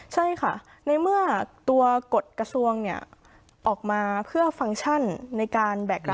ใช่ค่ะในเมื่อตัวกฎกระทรวงเนี่ยออกมาเพื่อฟังก์ชั่นในการแบกรับ